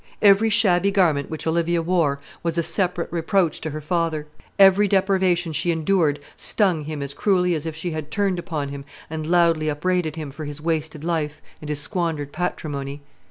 Every shabby garment which Olivia wore was a separate reproach to her father; every deprivation she endured stung him as cruelly as if she had turned upon him and loudly upbraided him for his wasted life and his squandered patrimony.